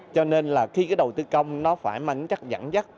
cho nên là khi cái đầu tư công nó phải mang chắc dẫn dắt